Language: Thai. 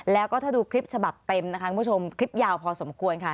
แล้วก็ถ้าดูคลิปฉบับเต็มนะคะคุณผู้ชมคลิปยาวพอสมควรค่ะ